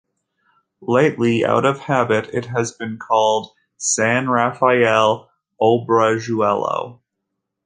Lately, out of habit, it has been called San Rafael Obrajuelo.